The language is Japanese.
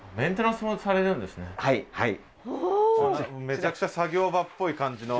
めちゃくちゃ作業場っぽい感じの。